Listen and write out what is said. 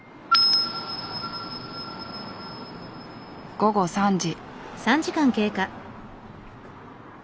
午後３時。